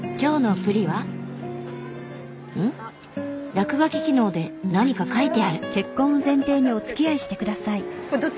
落書き機能で何か書いてある。